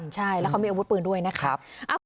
ใช่แล้วเขามีอาวุธปืนด้วยนะครับ